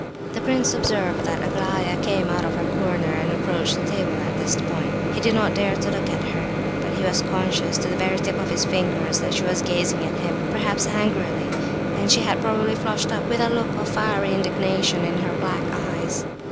The prince observed that Aglaya came out of her corner and approached the table at this point. He did not dare look at her, but he was conscious, to the very tips of his fingers, that she was gazing at him, perhaps angrily; and that she had probably flushed up with a look of fiery indignation in her black eyes.